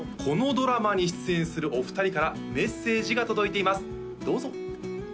このドラマに出演するお二人からメッセージが届いていますどうぞ！